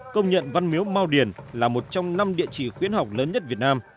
công nhận văn miếu mau điền là một trong năm địa chỉ khuyến học lớn nhất việt nam